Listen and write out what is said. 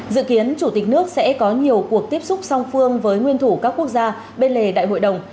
dự kiến chủ tịch nước sẽ có nhiều cuộc tiếp xúc song phương với nguyên thủ các quốc gia bên lề đại hội đồng